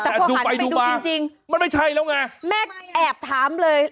แต่พอหันไปดูจริงจริงมันไม่ใช่แล้วไงแม่แอบถามเลย